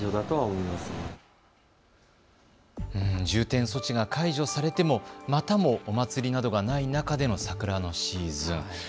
重点措置が解除されても、またもお祭りなどがない中での桜のシーズン。